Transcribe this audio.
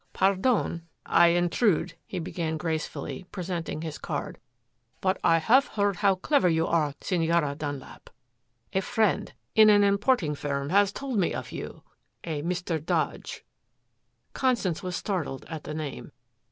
"Pardon I intrude," he began gracefully, presenting his card. "But I have heard how clever you are, Senora Dunlap. A friend, in an importing firm, has told me of you, a Mr. Dodge." Constance was startled at the name.